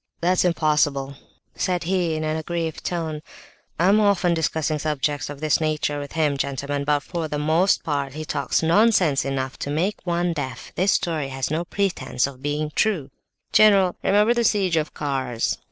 "That's impossible!" said he in an aggrieved tone. "I am often discussing subjects of this nature with him, gentlemen, but for the most part he talks nonsense enough to make one deaf: this story has no pretence of being true." "General, remember the siege of Kars!